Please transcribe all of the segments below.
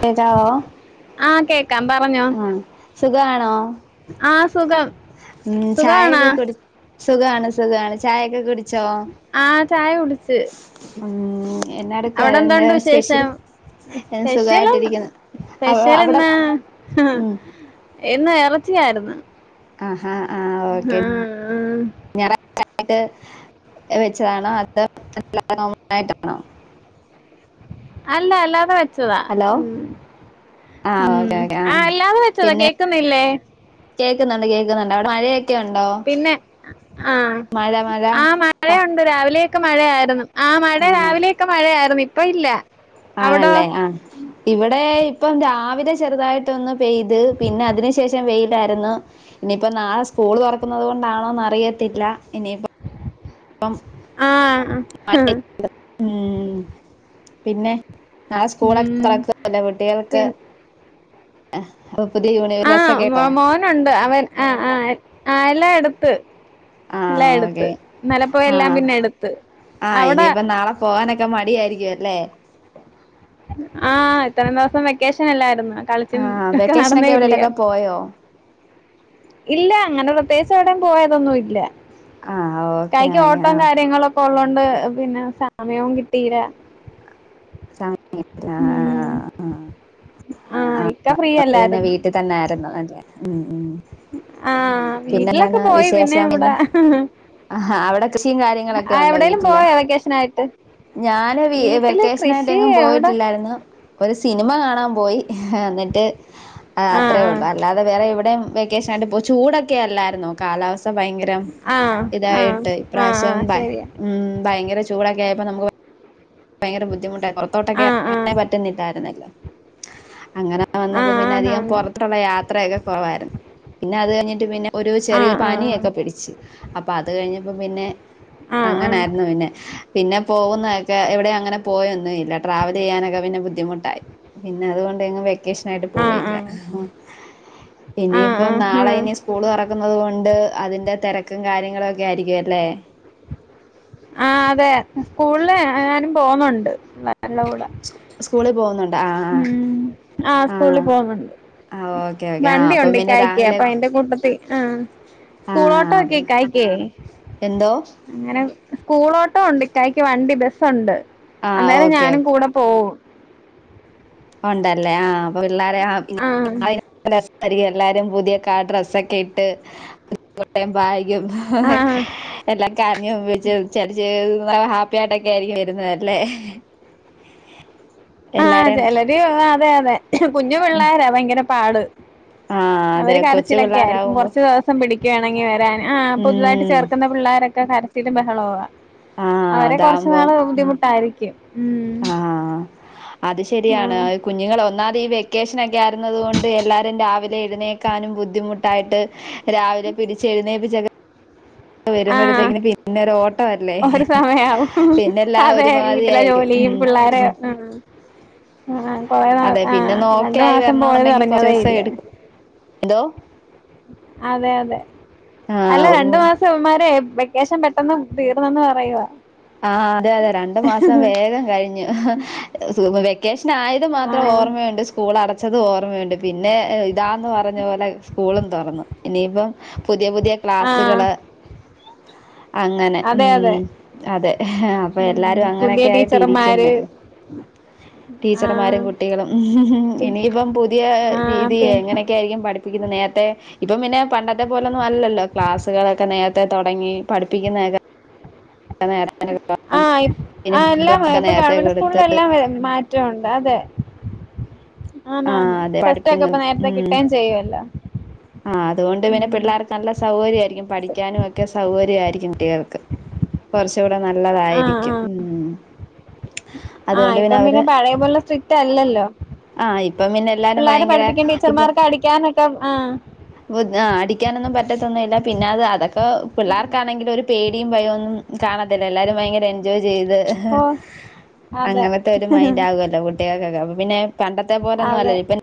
Hello ക്കാം പറഞ്ഞോ ആ സുഖം ഉം സുഖാണോ ചായൊക്കെ കുടി സുഖാണ് സുഖാണ് ചായൊക്കെ കുടി ആഹ് ചായ കുടിച്ച് ഉം എന്നാടുക്കുവാ അവിടെ എന്താ എന്തൊണ്ട് സ്പെഷ്യൽ വിശേഷം സ്പെഷ്യലൊന്ന് സുഖായിട്ടിരിക്കുന്നു അവ സ്പെഷ്യൽ അവിടെ ഇന്ന് ഉം ഇന്ന് എറ ച്ചിയായിരുന്നു ആ ആഹ് ഓക്കെ ഞാ റാഴ്ച്ചയായിട്ട് വെച്ചതാണോ അതോ [unintelligible] ആയിട്ടാണോ അല്ല അല്ലാതെ വെ ച്ചതാ ഹലോ ആഹ് ഉംഉം ഓക്കെ ഓക്കെ ആ ആഹ് അല്ലാതെ വെച്ചതാ പിന്നെ കേക്കുന്നില്ലേ കേക്കുന്നുണ്ട് കേക്കുന്നുണ്ട് അവ്ടെ മഴയ പിന്നെ ആഹ് മഴ മഴ ആ ക മഴയുണ്ട്. രാവിലെ ക്കെ മഴയായിരുന്നു ആ മഴ ആണോ രാവിലെയൊക്കെ മഴയായിരുന്നു ഇ പ്പ ഇല്ല അവിടോ ആണല്ലേ ആഹ് ഇവിടെ ഇപ്പം രാവിലെ ചെറുതായിട്ടൊന്ന് പെയ്ത് പിന്നെ അതിനു ശേഷം വെയ് ലായിരുന്നു ഇനിയിപ്പം നാളെ സ്കൂൾ തൊറക്കുന്നത് കൊണ്ടാണോന്ന് അറിയത്തില്ല ഇനിയിപ്പ ആഹ് ഹ് ഉം പിന്നെ നാളെ സ്കൂളൊക്കെ തുറക്കുവല്ലേ കുട്ടികള്ക്ക് അ ആഹ് മോ മോനുണ്ട് അവൻ ആഹ് ആ ആഹ് എല്ലാ എടുത്ത് എല്ലാ ആഹ് എടുത്ത് ഓക്കെ ന്നെലപ്പോഴ എല്ലാം ആഹ് പിന്നെ എടുത്ത് അവിടെ ക്കെ മടിയായിരിക്കും അല്ലേ ആഹ് ഇത്രയും ദിവസം വെക്കേഷൻ എല്ലായിരുന്നു ആഹ് വെക്കേഷന ഒക്കെ എവിടെലൊക്കെ പോയോ ഇല്ല അങ്ങനെ പ്രത്യേകിച്ച് എവിടയും പോയതൊന്നും ഇല്ല ആഹ് ഓക്കെ ഇക്കാക്ക് ഓക്കെ ഓട്ടം ആഹ് കാര്യങ്ങളൊക്കെ ഉള്ള ണ്ട് പിന്നെ സമയവും കിട്ടീല്ല സമയം കിട്ടില്ല ഉം ആഹ് ആഹ് ആഹ് ആഹ് ഇക്ക പിന്നെ ഫ്രീയല്ലായിരുന്നു വീട്ടിൽ തന്നെ ഉം ഉം ഉം പിന്നെ എന്താണ് വിശേഷം പിന്നെ ആ അവിടെ കൃഷിയും കാര്യങ്ങളൊക്കെ ആ ഉണ്ടോ എവിടെയെങ്കിലും വീട്ടില് പോയോ വെക്കേഷൻ ആയിട്ട് ഞാന് വീട്ടില് കൃഷി വെക്കേഷനായിട്ടെങ്ങും എവിടെ പോയിട്ടില്ലായിരുന്നു ഒരു സിനിമ കാണാൻ പോയി എന്നിട്ട് ആ അത്രേ ആ ഉള്ളൂ അല്ലാതെ വേറെ ഇവിടെ വെക്കേഷനായിട്ട് പോ ചൂടൊ ക്കെല്ലായിരുന്നോ കാലാവസ് [unintelligible] ഭയങ്കരം ആഹ് ആഹ് ഇതായിട്ട് ആഹ് ഇപ്രാവശ്യം ആഹ് ഭയ് ശരിയാ ഉം ഭയങ്കര ചൂടൊക്കെ പ്പ നമു [unintelligible] ഭയങ്കര ബുദ്ധിമുട്ട പുറത്തോട്ടൊക്കെ ആഹ് ആഹ് ഇറങ്ങനെ പറ്റുന്നില്ലായിരുന്നല്ലോ അങ്ങനെ വന്നപ്പോ ആഹ് പിന്നെ അധികം ആന്നാന്ന് പുറത്തുള്ള യാത്രയൊക്കെ കുറവായിരുന്നു പിന്നെ അത് കഴിഞ്ഞിട്ട് പിന്നെ ഒരു ചെറിയ ആഹ് ആഹ് പനിയൊക്കെ പിടിച്ചു അപ്പൊ അത് കഴിഞ്ഞ അപ്പം പിന്നെ ആഹ് അങ്ങനായിരുന്നു ആഹ് പിന്നെ പിന്നെ പോവുന്നാഴ് എവിടെ അങ്ങനെ പോയൊന്നും ഇല്ല ട്രാവൽ ചെയ്യാനൊക്കെ പിന്നെ ബുദ്ധിമുട്ടായി പിന്നെ അതുകൊണ്ട് എങ്ങും വെക്കേഷ ആഹ് പോയില്ല ആഹ് ആഹ് പിന്നീപ്പം ആഹ് നാളെ ഹും ഇനി സ്കൂള് തുറക്കുന്നത് കൊണ്ട് അതിന്റെ തെര ക്കും കാര്യങ്ങളും ഒക്കെ ആയിരിക്കും അല്ലേ ആ അതെ സ്കൂളില് ഞാനും പോന്നോണ്ട് സ്കൂ സ്കൂളിൽ പോവുന്നുണ്ട് മ് ആ സ്കൂളിൽ പോന്നുണ്ട് ആ ഓക്കെ ഓക്കെ ആ വണ്ടി അപ്പം ഉണ്ട് പിന്നെ ഇകായ്ക്ക രാവിലെ അപ്പ അയിന്റെ കൂട്ടത്തി ആ ആ സ്കൂൾ ഓട്ടോ അപ്പൊ ഒക്കെ കായക്ക എന്തോ അങ്ങനെ സ്കൂളോട്ടം ഉണ്ട് ഇക്കായ് ക്ക് വണ്ടി ബസ്സുണ്ട് ആ അന്നേരം ഓക്കെ ഞാനും കൂടെ പോകവും ഒണ്ടല്ലേ ആ അപ്പം [unintelligible] ആഹ് [unintelligible] എല്ലാരും പുതിയ ഡ്രസ്സൊക്കെ ഇട്ട് [unintelligible] ആഹ് [unintelligible] ഹാപ്പിയായിട്ടൊക്കെ ആയിരിക്കും വരുന്നതല്ലേ ആ എല്ലാരും ചെലര് അതെ അതെ കുഞ്ഞു ഉം പിള്ളരാ ഭയങ്കര പാട് ആ അതെ അവര് കൊച്ചു കരച്ചിലൊക്കെയായിരിക്കും പിള്ളേരാവുമ്പോ കുറച്ചു ദിവസം പിടി ഒക്കെ ആണെങ്കിൽവരാൻ ആ പുതുതായിട്ട് ഉം ചേർക്കുന്ന പിള്ളോരൊക്കെ കര [unintelligible] ബഹളവാ ആ അവരെ കൊറച്ച് നാള് ബുദ്ധിമുട്ടായിരിക്കും മ് ആാാ അത് ശരിയാണ് ആഹ് കുഞ്ഞുങ്ങൾ ഒന്നാത് ഈ വെക്കേഷന നായിരുന്നത്കൊണ്ട് എല്ലാരും രാവി എഴുന്നേക്കാനും ബുദ്ധിമുട്ടായിട്ട് രാവിലെ പിടിച്ച് എഴുന്നേപ്പിച്ചോ ആ ഒരു ഓട്ടമല്ലേ ഒരു സമയാവും പിന്നെല്ലാം അതെ ഒരുമാതിരി വീട്ടിലെ ആയിരിക്കും ജോലിയും ഉം പിള്ളോരേ ഉം മ് ആ പോയ അതെ ആ പിന്നെ രണ്ടു നോക്കായി മാസം വരണന്നുണ്ടെങ്കിൽ കുറച്ച് പോയതറിഞ്ഞതേ ദിവസം ഇല്ല എടുക്കും എന്തോ അതെ അതെ അല്ല രണ്ടു ആഹ് മാസം ഇവമാരെ വെക്കേഷൻ പെട്ടെന്ന് തീർന്നെന്ന് പറയുവാ. ആഹ അതെ അതെ രണ്ടു മാസം വേഗം കഴിഞ്ഞു ഹ ഹ വെക്കേഷൻ ആയത് മാത്രം ആഹ് ഓർമ്മയുണ്ട് സ്കൂൾ അട അത് ഓർമ്മയുണ്ട്. പിന്നെ ഇതാന്ന് പറഞ്ഞപോലെ സ്കൂളും തുറന്നു ഇനിയിപ്പം പുതിയ പുതിയ ആഹ് ക്ലാസ്സുകള് അങ്ങനെ അതെ അതെ ഉം അതെ ഹ ഹ അപ്പൊ ഉം എല്ലാരും പുതിയ അങ്ങനൊക്കെ ആയിട്ട് ടീച്ചർമാര് ഇരിക്കുന്നല്ലേ ആ ടീച്ചർമാരും കുട്ടികളും ഹു ഹു പി ഇനിയിപ്പം പുതിയ ആ രീതി പി എങ്ങനെയൊക്കൊയിയിരിക്കും പഠിപ്പിക്കുന്നത് നേരത്തെ ഇപ്പൊ പിന്നെ പണ്ടത്തെ പോലെന്നും അല്ലല്ലോ ക്ലാസ്സുകളൊക്കെ നേരത്തെ തുടങ്ങി പഠിപ്പിക്കുന്നൊക്കെ അത് നേരാ ആ ആ എല്ലാം ഇപ്പൊ നേരത്തെ ഗവൺമെന്റ് കൊടുത്ത് സ്കൂളില് എല്ലാം മാറ്റമുണ്ട് അതെ ആണ് ആഹ് ആണ് അതെ ടെസ്റ്റൊക്കെ പഠിപ്പിക്കുന്നത് ഇപ്പൊ നേരത്തെ കിട്ടെയും ചെയ്യല്ലോ ആ അതുകൊണ്ട് പിന്നെ പിള്ളാർക്ക് നല്ല സൗകര്യരിക്കും പഠിക്കാനുവൊക്കെ സൗകര്യരിക്കും കുട്ടികൾ ക്ക് [unintelligible] ആഹ് ആഹ് ആ അതുകൊണ്ട് ഇപ്പം അവര് പിന്നെ പഴെ പോലെ സ്രിക്ക്റ്റ് അല്ലല്ലോ ആഹ് ഇപ്പം പിന്നെ എല്ലാരും പിള്ളാര് ഭയങ്കര പഠിപ്പിക്കും ടീച്ചർമാർക്ക് അടിക്കാനൊക്കെ ആഹ് വ് ആ അടിക്കാനൊന്നും പറ്റത്തൊന്നുല്ല പിന്നെ അത് അതൊക്ക പിള്ളാർക്കാണെങ്കിൽ ഒരു പേടിയും ഭയൊന്നും കാണത്തില്ല എല്ലാരും ഭയങ്കര എൻ ജോയ് ചെയ്ത് ഹ ഹ ഓ അതെ അങ്ങനത്തെ ഒരു മൈന്റാകുവല്ലോ കുട്ടികക്കൊക്കെ അപ്പോ പിന്നെ പണ്ടത്തെപോലൊന്നും അതെ അല്ലല്ലോ ഇപ്പോ [unintelligible]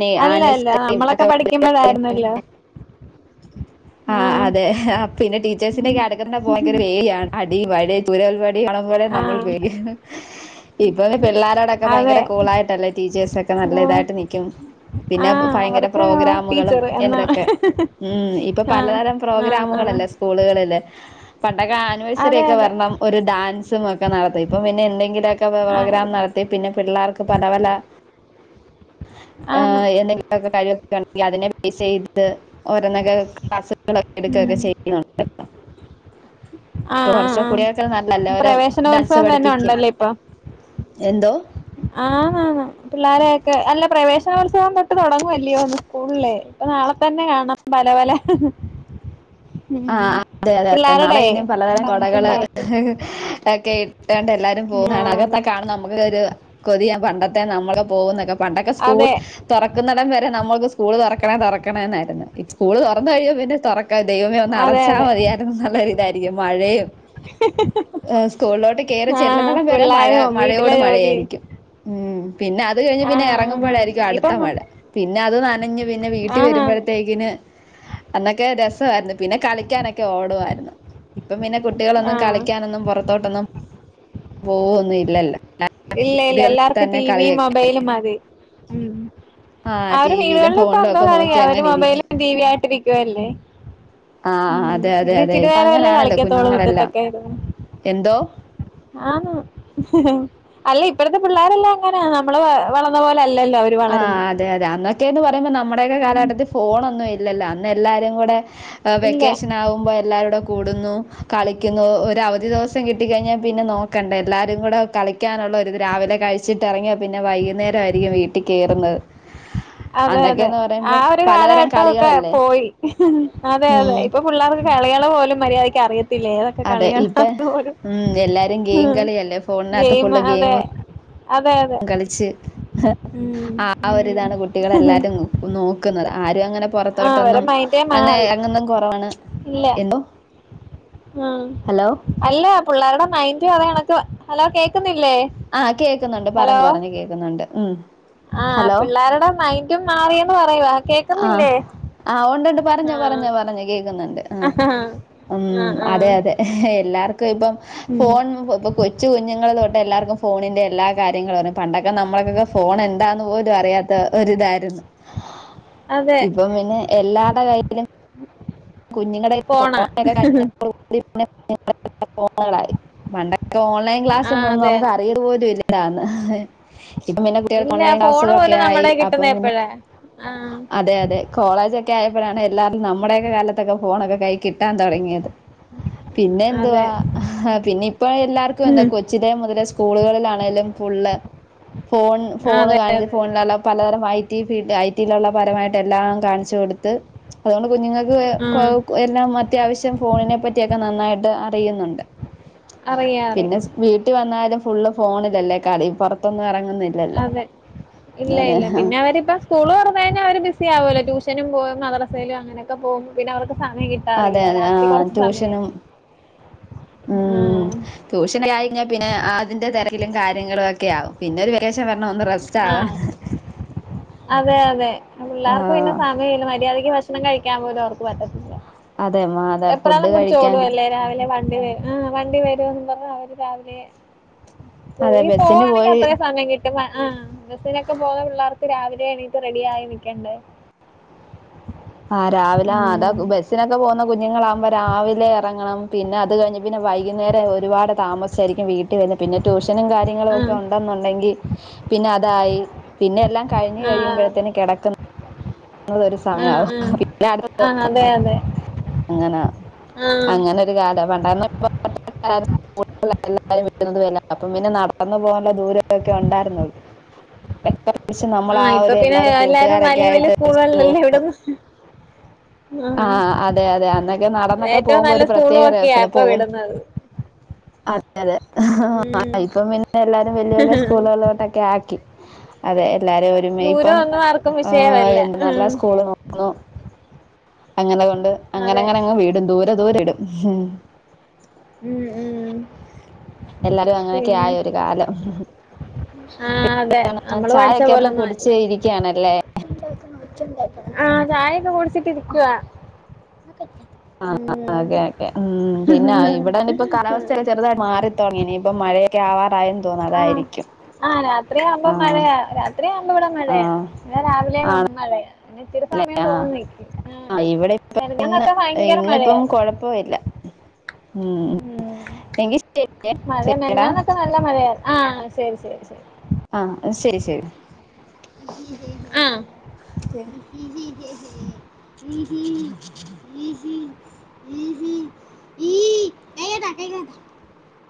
ണ്ടെ ആൻവേസരി ഒക്കെ ക്കുമ്പളര്ന്നല്ലോ ആ ആഹ് അതെ ആ, പിന്നെ ടീച്ചേഴ്സിന്റെ [unintelligible] അടി വടി ചൂരൽ വട് ടി കാണുമ്പോലെ ആ നമ്മൾ പേടിയാണ് ഇപ്പോ പിള്ളാരോടൊക്കെ ഭയങ്കര അതെ കൂളായിട്ടല്ലേ ടീച്ചേഴ്സൊക്കെ ഓ നല്ലഇതാട്ട് നിൽക്കും പിന്നെ ആഹ് ഫയങ്കര അവർക്ക് പ്രോഗ്രാമുകളും ടീച്ചർ എന്നാ എന്തൊക്കെ ഉം ഇപ്പൊ ആഹ് പലതരം ആഹ് ആഹ് പ്രോഗ്രാമുകളല്ലേ സ്കൂളുകളില് [unintelligible] ണ്ടക്കെ അതെ ആനിവേഴ്സറിയൊക്കെ അതെ വരണം ഒരു ഡാൻ സും ഒക്കെ നടത്ത ഇപ്പൊ പിന്നെ എന്തെങ്കിലൊക്കെ [unintelligible] പ്രോഗ്രാം ആയിരുന്നു നടത്തി പിന്നെ പിള്ളാർക്ക് പലപല ആന്ന് ആഹ് എന്തെങ്കിലുമൊക്കെ കാര്യം [unintelligible] [unintelligible] ഓരോന്നൊക്കെ ക്ലാസ്സ്‌കളൊക്കെ എടുക്കുകയൊക്കെ ഉം ചെയ്യുന്നുണ്ട് ഇപ്പൊ ആഹ് ആഹ് കുറച്ച് ആഹ് കുട്ടികൾക്ക് നല്ലൊരു ഡാൻസ് പ്രവേശനോത്സവം തന്നെ പഠിപ്പിക്കാ എന്തോ ആനാണ് പിള്ളോരെയൊക്കെ അല്ല പ്രവേശനോത്സവം പറ്റ് പാട്ട് തുടങ്ങുവല്ലയോ ഇന്ന് സ്കൂളില് നാളെ തന്നെ കാണാം പല പല ആഹ് അതെ അതെ നാളെ പിള്ളേരുടെ ഇനം പലതരം ഡാൻസും കൊടകള് പാട്ടും ഒക്കെ ഇട്ടാണ്ട് എല്ലാരും ആഹ് അതൊക്കെ കാണുമ്പോ നമുക്ക് ഒരു കൊതിയ പണ്ടത്തെ നമ്മള് പോകുന്നൊക്കെ പ പണ്ടൊക്കെ സ്കൂൾ അതെ തുറക്കുന്നടം വരെ നമ്മൾക്ക് സ് സ്കൂള് തുറക്കണേ തുറക്കണേ എന്നായിരുന്നു സ്കൂള് തുറന്നയുമ്പോൾ പിന്നെ തുറക്കരുതേ അതെ അടച്ചാൽ അതെ മതിയായിരുന്നു എന്നുള്ളൊരു ഇതായിരിക്കും മഴയും സ്കൂളിലോട്ട് കയറി ആഹ് ചെല്ലുമ്പോൾ തന്നെ മഴ പിള്ളേരും വീട്ടിലെ മഴയോട് ജോലി മഴയായിരിക്കും ഹ്മ്മ് പിന്നെ അത് കഴിഞ്ഞ് പിന്നെ ആഹ് ആന്നാന്ന് ഇറങ്ങുമ്പോഴായിരിക്കും അടുത്ത ഇനിയിപ്പം മഴ പിന്നെ അത് നനഞ്ഞ് പിന്നെ വീട്ടിൽ ആന്നാന്ന് വരുമ്പോഴത്തേക്കിന് അന്നൊക്കെ രസ [unintelligible] വായിരുന്നു പിന്നെ കളിക്കാനൊക്കെ ഓടുമായിരുന്നു ഇപ്പം പിന്നെ കുട്ടികളൊന്നും ആഹ് കളിക്കാനൊന്നും പുറത്തോട്ടൊന്നും. പോവൊന്നുമില്ലല്ലോ ഇല്ല ഇല്ല എല്ലാർക്കും ടിവിയും മൊബൈലും മതി ഉം ആ അവര് ടിവിയിലും വീടുകളിലും ഇപ്പൊ ഫോണിലും എന്തോ ഒക്കെ കളിയാ നോക്കി അവര് അങ്ങനെ ഇരിക്കും മൊബൈലും ടിവിയും ആയിട്ടിരിക്കുവല്ലേ ആ ഉം അതെ അതെ പിന്നെ അതെ ഇച്ചിരി ഇപ്പ നേരല്ലേ അങ്ങനാണല്ലോ കളിക്കത്തുള്ളൂ കുഞ്ഞുങ്ങളെല്ലാം മുറ്റത്തൊക്കെ. എന്തോ ആണ് അല്ല ഇപ്പോഴത്തെ പിള്ളേരെല്ലാം അങ്ങനെയ നമ്മള് വളർന്ന പോലെ. അല്ലല്ലോ അവര് ആഹ് വളരുന്നത് അതെ അതെ അന്നൊക്കെയന്ന് പറയുമ്പോ നമ്മുടെയൊക്കെ കാലഘട്ടത്തിൽ ഫോണൊന്നും ഇല്ലല്ലോ. അന്ന് എല്ലാരും കൂടെ. ഇല്ല വെക്കേഷൻ ആകുമ്പോ എല്ലാവരോടും കൂടുന്നു കളി. ക്കുന്നു ഒരു അവധി ദിവസം കിട്ടി കഴിഞ്ഞാൽ പിന്നെ നോക്കണ്ട എല്ലാവരും കൂടെ കളിക്കാനുള്ള ഒരു രാവിലെ കഴിച്ചിട്ട് ഇറങ്ങിയാൽ പിന്നെ വൈകുന്നേ രായിരിക്കും വീ ട്ടീ കേറുന്നെ അതെ അതെ ആ ഒരു പലതരം കാലഘട്ടക്കൊ കളികളല്ലേ പോയി അതെ അതെ ഉം ഇപ്പൊ പിള്ളേർക്ക് കളികള പോലും മര്യാദി ക്കറിയ ത്തില്ല ഏതൊക്കെ അതെ ഇപ്പ കളികളാന്നു പോലും ഉം എല്ലാരും ഗെയിം കളിയല്ലേ ഫോണിനകത്ത് ഗെയിം ഫുള്ള് അതെ ഗെയിമും അതെ അതെ കളിച്ച് ഉം ആ ഉം ഒരിതാണ് കു കുട്ടികളെല്ലാവരും നോക്കുന്നു ക്കുന്നത് ആർ അങ്ങനെ ആ അവരെ പുറത്തോട്ടൊന്നും മൈൻഡേ അങ്ങനെ മാറി അങ്ങന്നും കുറവാണ് ഇല്ല എന്തോ ഉം ഹലോ അല്ല പിള്ളേരുടെ മൈൻഡ് അത് കണക്ക് ഹലോ കേൾക്കു ന്നില്ലേ ക്കുന്നുണ്ട് [inaudible] പറഞ്ഞു കേൾക്കുന്നുണ്ട് ഉം ആ ഹലോ പിള്ളേരുടെ മൈന്റും മാറിയന്ന് പറയവാ. ആഹ് ഉണ്ടണ്ട് ആഹ് പറഞ്ഞോ കേൾക്കുന്നുണ്ട്. ആ ഉം ആഹ് അതെ ആഹ് അതെ എല്ലാവർ ക്കും [unintelligible] ഉം ഫോൺ ഇപ്പം കൊച്ചു കുഞ്ഞുങ്ങള് തൊട്ട് - എല്ലാർക്കും ഫോണിന്റെ കാര്യങ്ങളും അറിയാം. പണ്ടൊക്കെ നമ്മൾക്കൊക്കെ ഫോൺ എന്താന്ന്പോലും അറിയാത്ത പോലും അറിയാത്ത ഒരിതായിരുന്നു അതെ ഇപ്പം പിന്നെ എല്ലാടെ കയ്യിലും- കുഞ്ഞുങ്ങളുടെ ഫോണാ കൊറോണയൊക്കെ കഴിഞ്ഞതോട് കൂടി പിന്നെ- [inaudible] ഫോണുകളായി പണ്ടൊക്കെ ഓൻലൈൻ ക്ലാസ് ആ ഒന്നൊന്നും അതെ നമുക്ക് അതെ അറിയതുപോലും ഇല്ല [unintelligible] ഇല്ല ഫോണ് പോലും ആയി നമ്മുടെ അപ്പം കിട്ടുന്നത് പിന്നെ എപ്പഴ അതെ അതെ കോളേജൊക്കെ ആയ [unintelligible] എല്ലാരും നമ്മുടെയൊക്കെ കാലത്തൊക്ക ഫോണൊക്കെ- കൈ കിട്ടാൻ തുടങ്ങിയത് പിന്നെ എന്തുവാ അതെ പിന്നെ ഇപ്പ എല്ലാർക്കും എന്താ കൊച്ചിലെ മുതലേ സ്കൂളുകളിലാണെലും ഫുള്ള് ഫോൺ അതെ കാണിച്ച അതെ ഫോണി [unintelligible] പലതരമായി- [unintelligible] ഡിപി ഇട്ട് [inaudible] നിയമപരമായിട്ട് എല്ലാം കാണിച്ചു കൊടുത്ത് അതുകൊണ്ട് [unintelligible] കുഞ്ഞുങ്ങൾക്ക് ആ എല്ലാം അത്യാവശ്യം ഫോണിനെ പറ്റിയൊക്കെ നന്നായിട്ട് അറിയുന്നുണ്ട് അറിയാം അറിയാം പിന്നെ വീട്ടിൽ വന്നാലും- ഫുള്ള് ഫോണിലല്ലേ കളി പുറത്തോന്നും ഇറങ് - അതെ ഇല്ല ഇല്ല പിന്നെ അവരിപ്പ സ്കൂള് തുറന്ന ഉച്ചകഴിഞ്ഞാൽ അവർ ബിസി ആകുമല്ലോ ട്യൂഷനും പോകും മദറസേയിലും അങ്ങനെയൊക്കെ പോകും പിന്നെ അവർക്ക് സമയം അതെ കിട്ടാറില്ല. അതെ ആ രാത്രി കൊറച്ച് സമയം ട്യൂഷനും ആഹ്. ഉം ട്യൂഷൻ കഴിഞ്ഞാ പിന്നെ അതിന്റെ തിര കാര്യങ്ങളും ഒക്കെ ആവും പിന്നെ [unintelligible] ഒന്ന് റെസ്റ്റ് ആവാ. ആഹ്. അതെ അതെ. അത് പിള്ളാർക്ക് പിന്നെ സമയമില്ല മര്യാദയ്ക്ക് ഭ ഭക്ഷണം കഴിക്കാൻ പോലും അവർക്ക് പറ്റത്തില്ല. അതെ മാ അതെ ഫുഡ് വെപ്രാളം പിടിച്ച് കഴിക്കാനും ഓടുവല്ലേ രാവിലെ ആ വണ്ടി വരുമെന്ന് പറഞ്ഞ് അവര് രാവിലെ അതെ സ്കൂളി ബസ്സിന് പോകവാണെങ്കിൽ പോയി അത്രയും സമയം കിട് ആ ബസിനൊക്കെ പോകുന്ന പിള്ളേർക്ക് രാവിലെ എണീറ്റ് റെഡി ആയി നിൽക്കണ്ടേ. ആഹ് രാവിലെ അതാ ബസ്സിനൊക്കെ പോകുന്ന കുഞ്ഞുങ്ങളാകുമ്പോൾ രാവിലെ ഇറങ്ങണം പിന്നെ അത് കഴിഞ്ഞ് പിന്നെ വൈകുന്നേരം ഒരുപാട് താമസിച്ചായിരിക്കും വീട്ടിൽ വരുന്നത് പിന്നെ ട്യൂഷ [unintelligible] കാര്യങ്ങളും ഒക്കെ ആഹ് ഉണ്ടെന്നുണ്ടെങ്കി പിന്നെ അതായി പിന്നെ എല്ലാം കഴിഞ്ഞു ആഹ്. കഴിയുമ്പോഴത്തേന് കിടക്കുന്ന [unintelligible] ഒരു ആഹ് സമയാവും ആഹ് [inaudible] ആഹ് അതെ അതെ അങ്ങനാ ആഹ് അങ്ങനെ ഒരു കാല പണ്ട [inaudible] [inaudible] അപ്പ പിന്നെ നടന്നു പോകാനുള്ള ദൂരമൊക്കെ ഉണ്ടായിരുന്നുള്ളൂ. പിടിച്ച് നമ്മൾ ആ ഇപ്പൊ ഒരു പിന്നെ എല്ലാരും കൂട്ടുകാരൊക്കെ വലിയ വല്യ ആയിട്ട് സ്കൂളുകളിലല്ലേ ഇവിടെന്ന് ആ അതെ അതെ അന്നൊക്കെ നടന്നൊക്കെ ഏറ്റവും പോകുമ്പോ നല്ല ഒരു സ്കൂളും പ്രത്യേക ഒക്കെയാ രസക ഇപ്പൊ പോകുന്നു. വിടുന്നത് അതെ അതെ ഉം ഇപ്പം പിന്നെ എല്ലാരും വല്യ വല്യ സ്കൂളുകളിലോട്ടൊക്കെ ആക്കി. അതെ എല്ലാരും ഒരുമ ദൂരം ഇപ്പം ഒന്നും ആർക്കും ആ വിഷയമല്ല നല്ല ഉം സ്കൂള് വന്നു. അങ്ങനെ കൊണ് അങ്ങനെ അതെ അങ്ങനെങ്ങ് വീടും ദൂരെ ദൂരെ ഇടും മ്മ്. ഉം ഉം എല്ലാരും അങ്ങനെയൊക്കെ പിന്നെ ആയ ഒരു കാലം. ആഹ് അതെ നമ്മള് പഠിച്ച ചായൊക്കെ അപ്പൊ കുടിച്ച് ഇരിക്കയാണല്ലേ. ആ ചായയൊക്കെ കുടിച്ചിട്ട് ഇരിക്കുവാ. ആ. ഉം അതെ അതെ മ്മ് പിന്നെ ഇവിട ഇപ്പൊ കാലാവസ്ഥ ചെറുതായി മാറിത്തുടങ്ങി ഇനിപ്പോ മഴ ക്കെ ആവാർ ആ ആ രാത്രിയാകുമ്പോ ആഹ് മഴയാ രാത്രിയാ ഇന്ന് ഇവിടെ മഴയാ ആഹ് ഇവിടെ രാവിലെ ആണ് മ്മ് മഴയാ ഇച്ചിരി സമയം ആഹ് തോർനിക്ക്. ആ ആഹ് ഇവിടെ ഇപ്പ ഇന്ന് മെനഞ്ഞാന്നൊക്കെ ഭയങ്കര മഴയാ ഇന്നിപ്പം കൊഴപ്പമില്ല ഉം എങ്കി ശരിയേ മഴ ശരിയടാ മെനഞ്ഞന്നൊക്കെ നല്ല മഴയാർന്നു ആഹ ശരി ശരി ശരി ആഹ ശരി ശരി ആഹ [unintelligible]